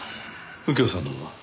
右京さんのほうは？